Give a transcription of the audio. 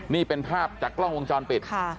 นี่เป็นภาพจากกล้องวงจรปิด